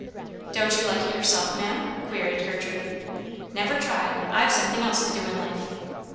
"Don't you like it yourself, ma'am?" queried Gertrude. "Never try. I've something else to do in life."